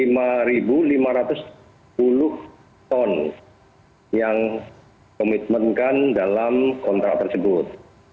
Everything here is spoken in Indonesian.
jadi lima ribu lima ratus sepuluh ton yang komitmenkan dalam kontrak tersebut